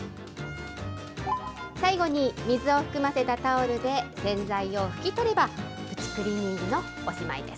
最後に、水を含ませたタオルで洗剤を拭き取れば、プチクリーニングのおしまいです。